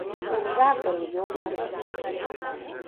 Уржа гын йомын.